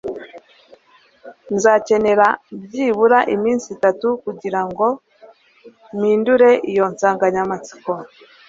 Nzakenera byibura iminsi itatu kugirango mpindure iyo nsanganyamatsiko